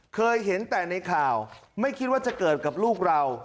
เคยเห็นแต่ในข่าวไม่คิดว่าจะเกิดกับลูกเรา